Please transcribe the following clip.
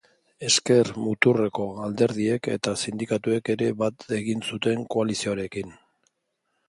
Ezker-muturreko alderdiek eta sindikatuek ere bat egin zuten koalizioarekin.